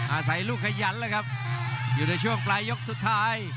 อาศัยลูกขยันแล้วครับอยู่ในช่วงปลายยกสุดท้าย